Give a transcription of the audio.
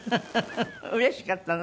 うれしかったの？